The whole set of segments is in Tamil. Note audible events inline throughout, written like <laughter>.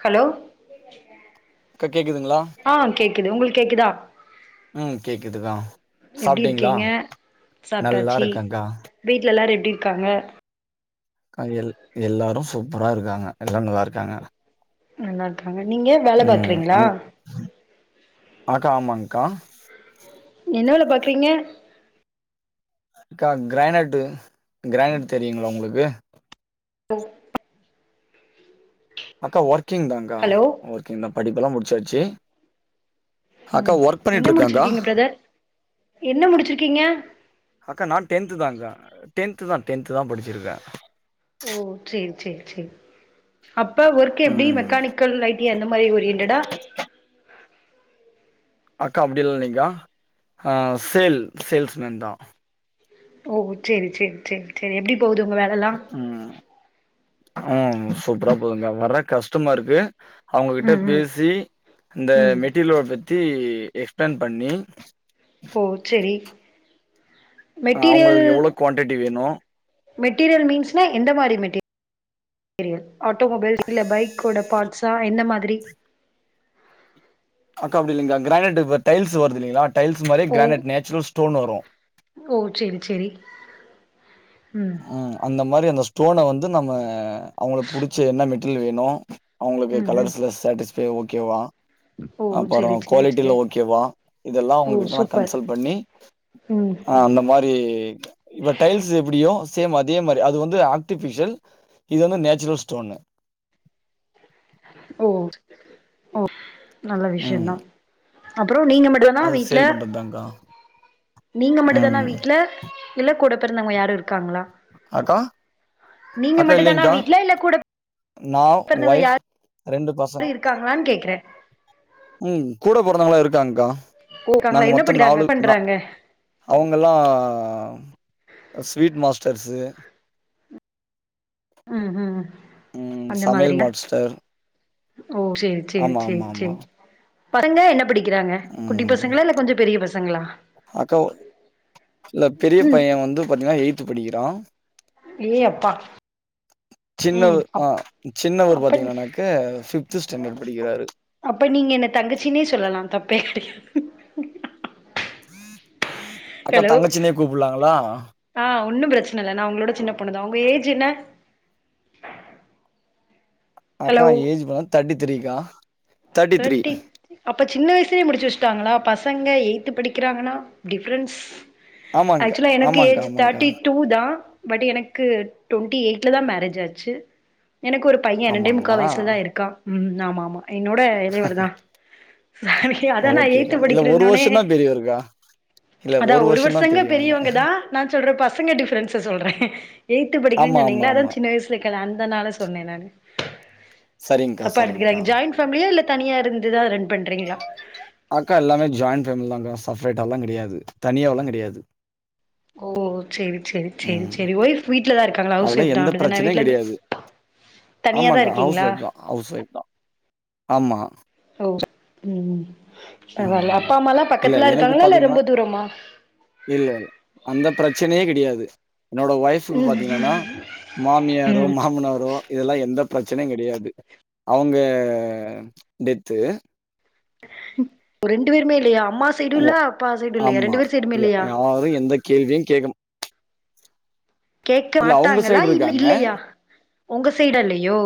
ஹலோ அக்கா கேக்குதுங்களா ஆ கேக்குது உங்ளுக்கு கேக்குதா ம் கேக்குதுக்கா எப்டி சாப்டீங்ளா இருக்கீங்க நல்லா சாப்ட்டாச்சு இருகேக்கா வீட்ல எல்லாரு எப்டி இருக்காங்க க்கா எல்லாரு சூப்பரா இருக்காங்க எல்லாரு நல்லா இருக்காங்க நல்லா இருக்காங்க நீங்க வேல ம் பாக்குறீங்களா அங் அக்கா ஆமாங்க்கா என்ன வேல பாக்குறீங்க அக்கா க்ரானைட்டு க்ரானைட்டு் தெரியுல்ல உங்களுக்கு அக்கா ஒர்க்கிங் தாங்கா ஹலோ ஒர்க்கிங் தா படிப்பெல்லா முடிச்சாச்சு அக்கா ம் ஒர்க் என்ன பண்ணிட்டு இருக்கங்க்கா முடிச்சிருக்கீங்க பிரதர் என்ன முடிச்சிருக்கீங்க அக்கா நா டென்த்து தா க்கா டென்த் தா டென்த் தா படிச்சிருக்கே ஓ சேர் சேர் சேரி அப்ப ஒர்க் எப்டி ம் மெக்கானிக் கள் ஐ டி அந்த மாரி ஓரியண்ட்டடா அக்கா அப்டில்லா இல்லிங்கா ஹா சேல் சேல்ஸ்மேன் தா ஓ சேரி சேரி சேரி சேரி எப்டி போகுது ஒங்க வேலல்லா உம் உம் சூப்பரா போதுங்கா வர்ற கஸ்ட்டமருக்கு அவங்க கிட்ட ம் ம் பேசி இந்த ம் மெட்டீரியலோ பத்தி எக்ஸ்பிளைன் பண்ணி ஓ செரி மெட்டீரியல் அவுங்களுக்கு எவ்ளோ குவான்டிட்டி வேணு மெட்டீரியல் மீன்ஸ்னா எந்த மாரி மெட்டீரி யல் ஆட்டோமொபைல் இல்ல பைக்கோட பாட்ஸா எந்த மாதிரி அக்கா அப்டி இல்லிங்கா கிரானைட் இருக் பார் டைல்ஸ் வருதுல்லைங்களா டைல்ஸ் மாரி ஓ கிரானைட் நேச்சுரல் ஸ்டோன் வரு ஓ செரி செரி ம் அந்த மாரி அந்த ஸ்டோன வந்து நம்ம அவங்களுக்கு புடிச்ச என்ன மெட்டிரியல் வேணு அவுங்களுக்கு ம் ம் கலர்ஸ்ல சேட்டிஸ்பை ஓகேவா ஓ அப்பறோ செரி செரி குவாலிட்டிலா செரி ஓகேவா இதெல்லா ஓ அவங்ககிட்ட நா சூப்பர் கன்சல் பண்ணி ம் ஆ அந்த மாரி இப்ப டைல்ஸ் எப்டியோ சேம் அதே மாரி அது வந்து ஆர்ட்டிபிஷியல் இது வந்து நேச்சுரல் ஸ்டோன்னு ஓ ஓ நல்ல ம் விஷயந்தா அப்றோ நீங்க மட் டு தானா அது வீட்ல சேல் பண்றதுதான்க்கா நீங்க மட்டு தானா ம் வீட்ல இல்ல கூட பெறந்தவங்க யாரும் இருக்காங்களா அக்கா நீங்க அக்கா மட்டு தானா இல்லைங்க்கா வீட்ல இல்ல கூட நா பிறந்தவங்க ஒய்ஃப் ரெண்டு பசங் யாரு இருக்காங்களான் கேக்றே உம் கூட பொறந்தங்களா இருக்காங்க்கா ஓ நாங்க இருக்காங்களா என்ன மொத்தோ படிக்கிறாங்க நாலு நா பண்றாங்க அவங்கல்லா ஸ்வீட் மாஸ்டர்ஸு ம் ஹூம் ம் அந்த சமையல் மாதிரியா மாஸ்டர் ஓ செரி செரி ஆமா செரி ஆமா ஆமா செரி பசங்க என்ன படிக்கிறாங்க குட்டி ம் பசங்களா இல்ல கொஞ்சோ பெரிய பசங்களா அக்கா ஒர் இல்ல பெரிய ம் பைய வந்து பாத்தீங்ன்னா எய்த் படிக்கிறா ஏ அப்பா ம் சின்னவர் ஆ அப் சின்னவர் அப்ப பாத்தீங்கனானக்க பிஃப்து ஸ்டாண்டர்ட் படிக்கிறாரு அப்ப நீங்க என்ன தங்கச்சினே சொல்லலா தப்பே கெடயா அக்கா ஹலோ தங்கச்சினே கூப்புலாங்களா ஆ ஒன்னு பிரச்சன இல்ல நா உங்ளோட சின்ன பொண்ணுதா உங்க ஏஜ் என்ன ஹலோ அக்கா ஏஜ் பா தேட்டி த்ரீக்கா தேர்ட்டி த்ரீ தேட்டி அப்ப சின்ன வயசுலயே முடிச்சு வச்சுட்டாங்களா பசங்க எய்த் படிக்கிறாங்கன்னா டிஃப்ரென்ஸ் ஆமாங்க்கா ஆக்சுவலா எனக்கு ஆமாங்க்கா ஏஜ் ஆமாங்க்கா தட்டி டூ தா பட் எனக்கு டுவென்டி எயிட்ல தா மேரேஜ் ஆச்சு எனக்கு ஒரு பைய ரெண்டே முக்கா ஆமாங்களா வயசுலதா இருக்கா ம் ஆமா ஆமா என்னோட இளையவருதா சாரி அதா நா ஓகேக்கா ஏய்த் இல்ல படிக்குறனோனே வருஷம் தான் பெரியவருக்கா. இல்ல அதா ஒரு வருஷம் தான் வருஷங்க பெரியவங்க. பெரியவங்கதா நா சொல்ற பசங்க டிஃப்ரன்ஸ்ச சொல்ற ஏய்த்து படிக்ற ஆமா, ஆமா, சொன்னீங்களா அதா ஆமா. சின்ன வயசு <unintelligible> இருக்குள்ளா அந்த நாள சொன்ன நானு சரிங்க்கா, தப்பா சரிங்க்கா. எடுத்துக்கிடாதிங்க ஜாயின் ஃபேமிலியா இல்ல தனியா இருந்துதா ரன் பண்றீங்களா அக்கா எல்லாமே ஜாயின் ஃபேமிலிதான்க்கா சப்ரேட்டா எல்லா கெடயாது தனியால்லா கெடயாது ஓ சேரி சேரி சேரி ம். சேரி ஒய்ஃப் வீட்லதா இருக்காங்களா ஹவுஸ் அதெல்லாம் ஒய்ஃப்தா எந்த அப்டித்தான பிரச்சனையும் வீட்லருந்து கிடையாது. தனியாதா ஆமாக்கா. ஹவுஸ் இருக்கீங்களா ஒய்ஃப் தான் ஹவுஸ் ஒய்ஃப்தா ஆமா ஓ ம் பரவால ம். அப்பா அம்மாலா இல்ல பக்கத்துல எனக்கு இருக்காங்களா இல்ல பார்த்தீங்கன்னா ரொம்ப தூரமா இல்ல இல்ல அந்த பிரச்சனயே கெடையாது என்னோட ஒய்ஃபுக்கு பாத்தீங்கன்னா மாமியாரோ ம் மாமனாரோ இதல்லா எந்த பிரச்சனயு கெடையாது அவுங்க டெத்து ஓ ரெண்டு பேருமே இல்லயா அம்மா சைடு இல்லா அப்பா சைடு இல்லயா ரெண்டு பேரு சைடுமே இல்லயா யாரு எந்த கேள்வியு கேக்க கேட்க இல்ல அவுங்க மாட்டாங்களா சைடு இல் இருக்காங்க இல்லயா உங்க சைடுல்லயோ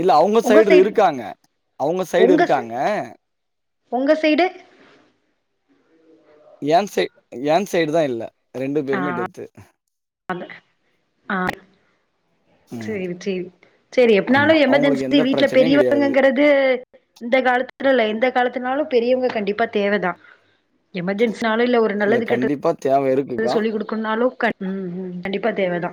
இல்ல அவுங்க சைடு இருக்காங்க அவுங்க சைடு இருக்காங்க ஒங்க சைடு எயன் சைட் எயன் சைடு தா இல்ல ரெண்டு பேருமே டெத்து அந்த ம் சேரி சேரி சேரி எப்டினாலு ஆமா அவுங்களுக்கு எமர்ஜென்சி எந்த வீட்ல பிரச்சனையு கெடையாது பெரியவங்கங்கறது து இந்த காலத்துல இல்ல எந்த காலத்துலனாலு பெரியவங்க கண்டிப்பா தேவதா இல்ல கண்டிப்பா தேவ இருக்கு எது சொல்லி் குடுக்கனுனாலு கன் ம் ம் கண்டிப்பா தேவதா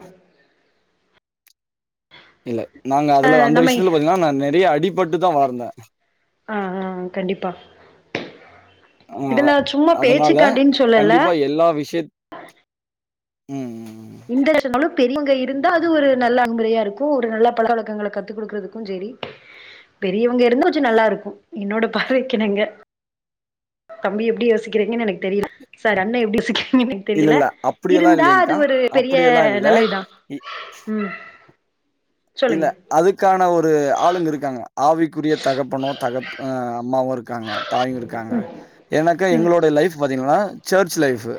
இல்ல நாங்க ஆ அதுல அந்த நம்ம விஷயத்துல பாத்தீங்கன்னா நா நெறையா அடிபட்டுதா வார்ந்த ஆ ஆ ஆ கண்டிப்பா அ இதுல சும்மா அதுனால பேச்சுக்காண்டின்னு சொல்லல கண்டிப்பா எல்லா விஷயத் ம்ம் இன்டர் நேஷனல்னாலும் பெரியவங்க இருந்தா அது ஒரு நல்ல அன்புறையா இருக்கு ஒரு நல்ல பழ வழக்கங்கள கத்து குடுக்குறதுக்கு சேரி பெரியவங்க இருந்தா கொஞ்ச நல்லா இருக்கு என்னோட பார்வைக்குகிணங்க தம்பி எப்டி யோசிக்கிறீங்கனு எனக்கு தெரில சார் அண்ண எப்டி யோசிக்கிறீங்கனு எனக் இல்ல தெரியல இல்ல அப்படியெல்லா இருந்தா அது இல்லைங்க்கா ஒரு பெரிய அப்படியெல்லா நல்ல இல்ல இதா ம் இல்ல சொல்லுங்க அதுக்கான ஒரு ஆளுங்க இருக்காங்க ஆவிக்குரிய தகப்பனு தகப் அ அம்மாவு இருக்காங்க தாயு இருக்காங்க ஏனாக்காக ம் எங்களோட இப்ப லைஃப் பாத்தீங்கன்னா சர்ச் லைஃபு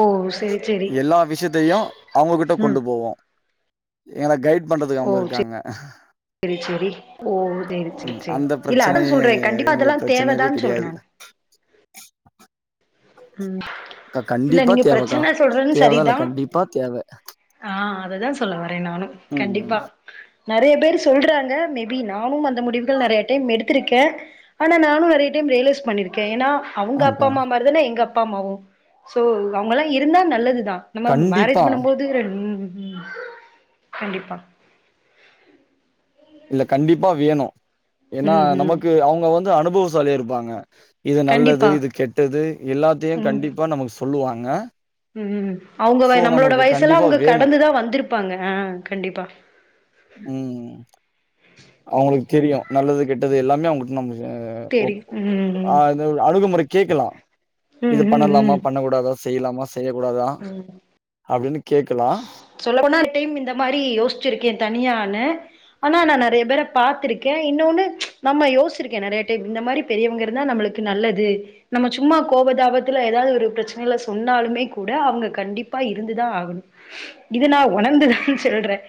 ஓ செரி செரி எல்லா விஷயத்தையு அவங்ககிட்ட ம் கொண்டு போவோ எனக் கைட் இது பண்றதுக்கு ஓ அவங்க செ இருக்காங்க செரி செரி ஓ செரி உ செரி செரி அந்த இல்ல அதா பிரச்சனயே சொல்றே கண்டிப்பா அதெல்லா எங்களுக்கு பிரச்சனயாவே தேவதான் சொல்றே கெடையாது நானு ம் அக்கா இல்ல கண்டிப்பா நீங்க தேவக்கா. பிரச்சன சொல்றது தேவதான் சரிதா இல்ல கண்டிப்பா தேவ. ஆ அததா சொல்ல வர நானு ம். கண்டிப்பா நெறைய பேர் சொல்றாங்க மேபி நானும் அந்த முடிவுகள் நெறையா டைம் எடுத்துருக்க ஆனா நானு நெறைய டைம் ரியலைஸ் பண்ணிருக்கே ஏன்னா அவுங்க அப்பா ஆங்க்கா. அம்மா மாரிதான எங்க அப்பா அம்மாவு சோ அவங்கல்லா இருந்தா நல்லதுதா நம்ம மேரேஜ் கண்டிப்பா. பண்ணும்போது ம் ம் கண்டிப்பா இல்ல கண்டிப்பா வேணு ஏனா ம் ம் நமக்கு அவுங்க வந்து அனுபவசாலியா இருப்பாங்க இது நல்லது கண்டிப்பா இது கெட்டது எல்லாத்தையு கண்டிப்பா நமக்கு சொல்லுவாங்க ம்ம் அவுங்க சோ நம்மளோட நமக்கு வயசெல்லா கண்டிப்பா அவுங்க வேணும். கடந்துதா வந்துருப்பாங்க அ கண்டிப்பா ம் அவுங்குளுக் தெரியு நல்லது கெட்டது எல்லாமே அவுங்ககிட்ட நம்ம தெரியு ம் அணுகுமுறை கேக்கலா ம் இது ம் ம் பண்ணலாமா ம் பண்ணக்கூடாதா செய்லாமா செ ய்யகூடாதா அப்டினு கேக்கலா சொல்ல போனா டைம் இந்த மாரி யோச்சிருக்கே தனியானு ஆனா நா நெறைய பேர பாத்துருக்கே இன்னோனு நம்ம யோசிருக்கே நெறையா டைம் இந்த மாரி பெரியவங்க இருந்தா நம்மளுக்கு நல்லது நம்ம சும்மா கோபதாபத்துல ஏதாது ஒரு பிரச்சனைல சொன்னாலுமே கூட அவங்க கண்டிப்பா இருந்துதா ஆகணு இதநா ஒணர்ந்துதா சொல்றே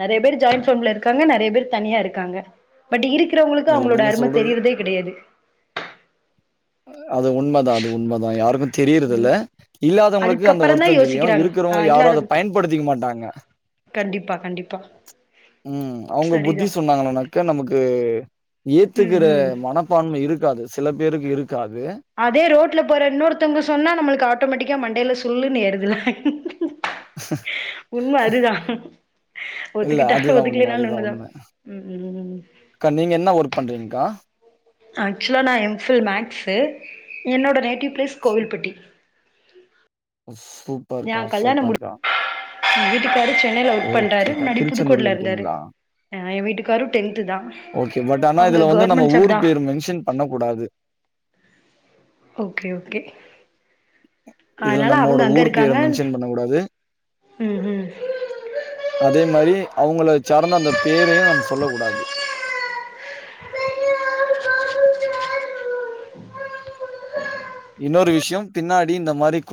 நெறைய பேர் ஜாயிண்ட் ஃபேம்ல இருக்காங்க நெறைய பேர் தனியா இருக்காங்க பட் இருக்குறவங்ளுக்கு இல்ல அவுங்ளோட நீங்க அரும சொல்றது தெரியுறதே கெடையாது அது உண்மதா அது உண்மதா யாருக்கு தெரியிறதுல்ல ம் இல்லாதவங்களுக்கு அந்த அதுக்கப்பறந்தா வருத்தோ தெரியு யோசிக்கிறாங்க ஆ இருக்கிறவங்க யாரு இல்லாத அத பயன்படுத்திக்க மாட்டாங்க கண்டிப்பா கண்டிப்பா ம் அவுங்க புத்தி சரிதா சொன்னாங்கனாக்க நமக்கு ம் ஏத்துக்குற ம் மனப்பான்மை இருக்காது சில பேருக்கு இருக்காது அதே ரோட்ல போற இன்னொருத்தங்க சொன்னா நம்மளுக்கு ஆட்டோமேட்டிக்கா மண்டையில சுள்ளுனு ஏறுதுல உண்ம அதுதா இல்ல ஒத்துக்கிட்டாலு அதுதான் உண்ம, ஒத்துக்லனாலு ஒண்ணுதா ம் ம் ம் க்கா நீங்க என்ன ஒர்க் பண்றீங்க்கா ஆக்சுவலா நா எம் ஃபில் மேக்ஸு என்னோட நேட்டிவ் ப்ளேஸ் சூ கோவில்பட்டி <inaudible> யே கல்யாணோ முடி சூப்பர்க்கா. வீட்டுக்காரு சென் னைல வொர்க் பண்றாரு ஓகேக்கா. முன்னாடி திருச்செந்தூர்ல புதுக்கோட்ல இருந்தாரு இருக்கீங்களா? அ எ வீட்டுக்காரு டென்த்துதா ஓகே. அவுங்க கவ்ர்மெண்ட் ஜாப்தா பண்ண கூடாது ஓகே ஓகே இதுல அதனால நம்மோட அவங்க அங்க ஊர் பேர இருக்காங்க மென்ஷன் பண்ணகூடாது ம் ம் அதே மாரி அவுங்கள சார்ந்த அந்த பேரையு நம்ம சொல்ல கூடாது இன்னொரு விஷ்யோ பின்னாடி இந்த மாரி கொழ